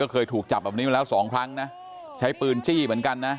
เคยถูกจับแบบนี้มาแล้วสองครั้งนะใช้ปืนจี้เหมือนกันนะ